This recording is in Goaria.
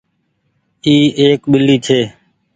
اي ايڪ ٻلي ڇي۔